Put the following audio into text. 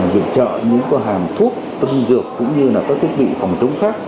việc trợ những cơ hàng thuốc tinh dược cũng như là các thiết bị phòng chống khác